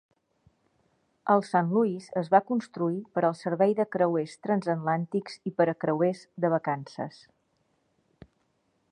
El "Saint Louis" es va construir per al servei de creuers transatlàntics i per a creuers de vacances.